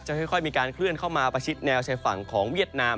ค่อยมีการเคลื่อนเข้ามาประชิดแนวชายฝั่งของเวียดนาม